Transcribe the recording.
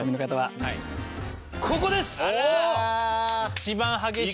一番激しい。